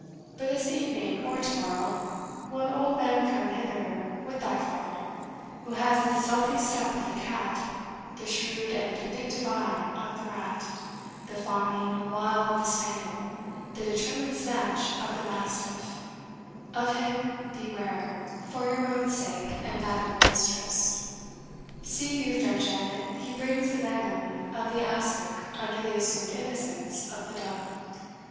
"But this evening, or to morrow, will an old man come hither with thy father, who has the stealthy step of the cat, the shrewd and vindictive eye of the rat, the fawning wile of the spaniel, the determined snatch of the mastiff of him beware, for your own sake and that of your distress. See you, fair Janet, he brings the venom of the aspic under the assumed innocence of the dove.